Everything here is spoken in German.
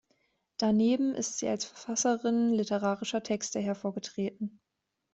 Daneben ist sie als Verfasserin literarischer Texte hervorgetreten.